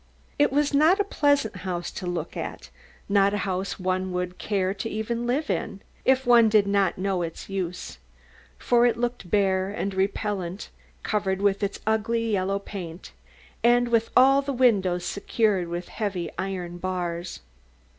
It was not a pleasant house to look at, not a house one would care to live in, even if one did not know its use, for it looked bare and repellant, covered with its ugly yellow paint, and with all the windows secured with heavy iron bars.